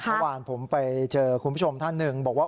เมื่อวานผมไปเจอคุณผู้ชมท่านหนึ่งบอกว่า